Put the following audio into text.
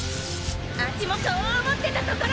あちしもそう思ってたところ！